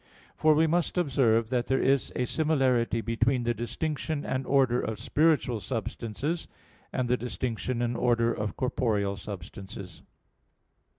For we must observe that there is a similarity between the distinction and order of spiritual substances and the distinction and order of corporeal substances.